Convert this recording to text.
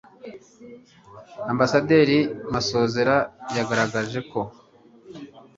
ambasaderi masozera yagaragaje ko